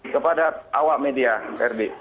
kepada awak media prd